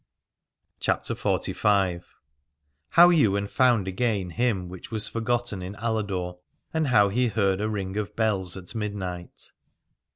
a83 CHAPTER XLV. HOW YWAIN FOUND AGAIN HIM WHICH WAS FORGOTTEN IN ALADORE, AND HOW HE HEARD A RING OF BELLS AT MIDNIGHT.